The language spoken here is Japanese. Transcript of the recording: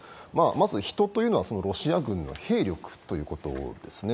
まずヒトとはロシア軍の兵力ということですね。